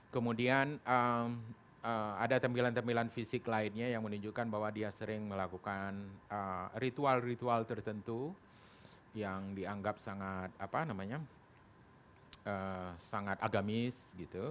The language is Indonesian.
kemudian ada penampilan penampilan fisik lainnya yang menunjukkan bahwa dia sering melakukan ritual ritual tertentu yang dianggap sangat apa namanya sangat agamis gitu